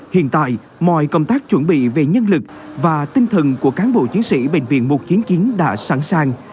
hiện tại mọi công tác chuẩn bị về nhân lực và tinh thần của cán bộ chiến sĩ bệnh viện một chiến chiến đã sẵn sàng